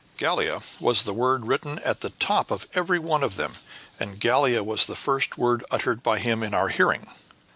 "Gallia was the word written at the top of every one of them, and Gallia was the first word uttered by him in our hearing."